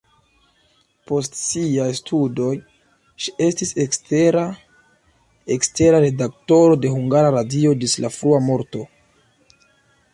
Post siaj studoj ŝi estis ekstera redaktoro de Hungara Radio ĝis la frua morto.